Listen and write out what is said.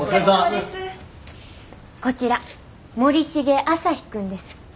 こちら森重朝陽君です。